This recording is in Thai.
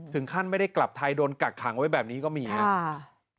ท่านไม่ได้กลับไทยโดนกักขังไว้แบบนี้ก็มีครับ